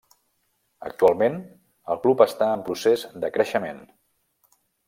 Actualment el club està en procés de creixement.